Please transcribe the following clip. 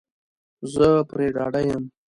زه پری ډاډه یم